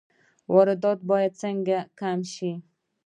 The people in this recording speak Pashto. واردات باید څنګه کم شي؟